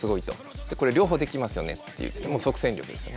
でこれ両方できますよねっていうもう即戦力ですよね。